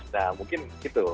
nah mungkin gitu